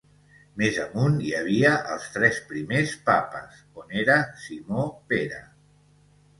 Més amunt hi havia els tres primers Papes, on era Simó Pere.